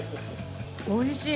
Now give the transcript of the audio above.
おいしい。